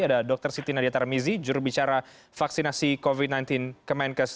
ada dr siti nadia tarmizi jurubicara vaksinasi covid sembilan belas kemenkes